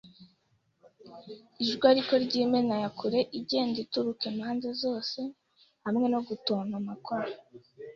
ijwi ariko iry'imena ya kure, igenda ituruka impande zose, hamwe no gutontoma kwa